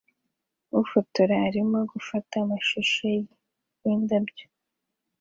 Ufotora arimo gufata amashusho yindabyo